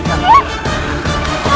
iya aku tahu kok